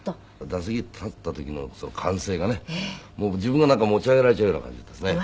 打席立った時のその歓声がねもう自分がなんか持ち上げられちゃうような感じですね。